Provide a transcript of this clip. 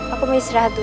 aku mau istirahat dulu